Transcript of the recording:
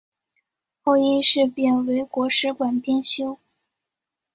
后因事贬为国史馆编修。